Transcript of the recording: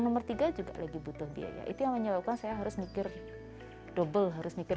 nomor tiga juga lagi butuh biaya itu yang menyebabkan saya harus mikir double harus mikir